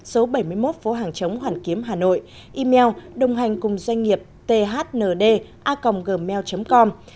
số bảy mươi một phố hàng chống hoàn kiếm hà nội email đồng hành cùng doanh nghiệp thnda gmail com